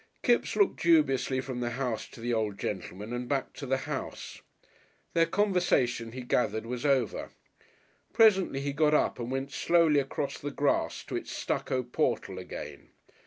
Kipps looked dubiously from the house to the old gentleman and back to the house. Their conversation, he gathered, was over. Presently he got up and went slowly across the grass to its stucco portal again.